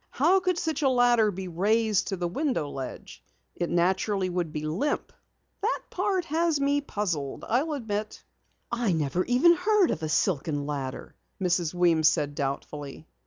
How could such a ladder be raised to the window ledge? It naturally would be limp." "That part has me puzzled, I'll admit." "I never even heard of a silken ladder," said Mrs. Weems doubtfully.